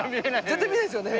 絶対見えないっすよね。